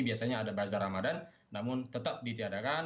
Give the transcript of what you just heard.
biasanya ada bazar ramadan namun tetap ditiadakan